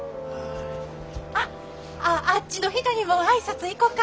あっああっちの人にも挨拶行こか。